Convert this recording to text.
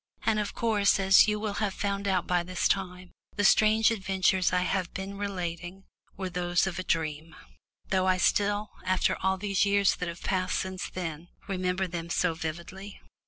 And of course, as you will have found out by this time, the strange adventures I have been relating were those of a dream, though I still, after all the years that have passed since then, remember them so vividly.